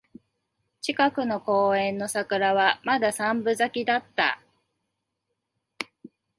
近くの公園の桜はまだ三分咲きだった